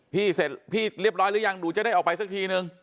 เสร็จพี่เรียบร้อยหรือยังหนูจะได้ออกไปสักทีนึง